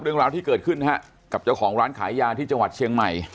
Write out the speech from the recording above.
เรื่องราวที่เกิดขึ้นฮะกับเจ้าของร้านขายยาที่จังหวัดเชียงใหม่